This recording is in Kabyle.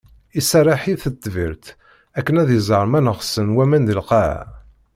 Iserreḥ i tetbirt akken ad iẓer ma neɣsen waman di lqaɛa.